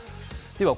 では